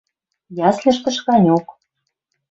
Ясльыштыш ганьок.